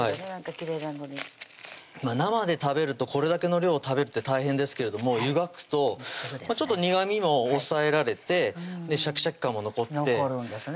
きれいなのに生で食べるとこれだけの量食べるって大変ですけれども湯がくと苦みも抑えられてシャキシャキ感も残って残るんですね